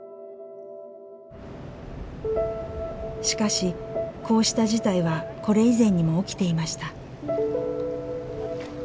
しかしこうした事態はこれ以前にも起きていました。